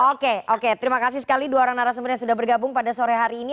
oke oke terima kasih sekali dua orang narasumber yang sudah bergabung pada sore hari ini